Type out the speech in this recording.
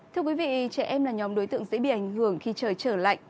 thưa quý vị trẻ em là nhóm đối tượng dễ bị ảnh hưởng khi trời trở lạnh